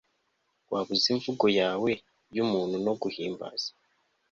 waba uzi imvugo yawe yubuntu no guhimbaza